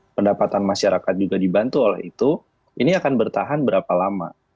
pendapatan masyarakat juga dibantu oleh itu ini akan bertahan berapa lama